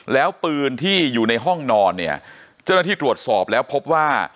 แล้วปืนที่อยู่ในห้องนอนเนี่ยเจ้าหน้าที่ตรวจสอบแล้วพบว่า